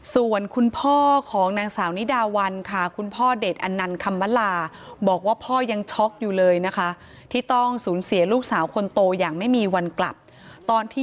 ส่วนคุณพ่อของนางสาวนิดาวันค่ะคุณพ่อเดชอันนันคำมลาบอกว่าพ่อยังช็อกอยู่เลยนะคะที่ต้องสูญเสียลูกสาวคนโตอย่างไม่มีวันกลับตอนที่